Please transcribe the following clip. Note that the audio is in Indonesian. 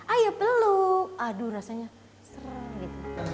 ayo peluk aduh rasanya serem gitu